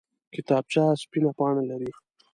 کتابچه سپینه پاڼه لري